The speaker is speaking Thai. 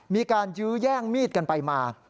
มีการยื้อแย่งมีดกันไปมา